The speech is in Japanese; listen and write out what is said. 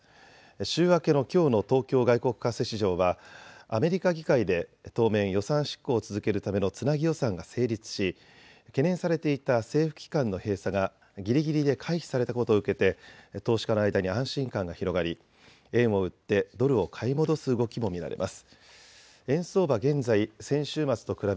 週明けのきょうの東京外国為替市場はアメリカ議会で当面、予算執行を続けるためのつなぎ予算が成立し懸念されていた政府機関の閉鎖がぎりぎりで回避されたことを受けて投資家の間に安心感が広がり円を売ってドルを買い戻す動きも見られます。